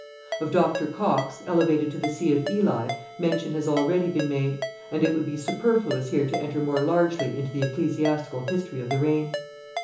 Of Dr. Cox, elevated to the see of Ely, mention has already been made; and it would be superfluous here to enter more largely into the ecclesiastical history of the reign.